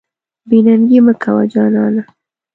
بې ننګي مه کوه جانانه.